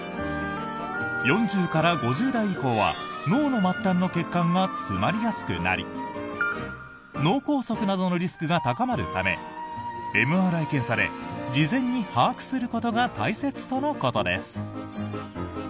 ４０から５０代以降は脳の末端の血管が詰まりやすくなり脳梗塞などのリスクが高まるためＭＲＩ検査で事前に把握することが大切とのことです。